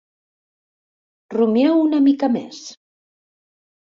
Rumieu una mica més”.